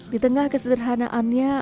di tengah kesederhanaannya